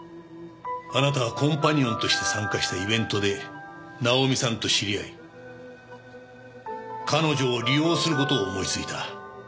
あなたはコンパニオンとして参加したイベントでナオミさんと知り合い彼女を利用する事を思いついた。